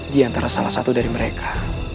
di antara salah satu dari mereka